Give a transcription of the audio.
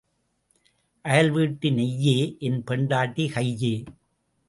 அயல் வீட்டு நெய்யே, என் பெண்டாட்டி கையே.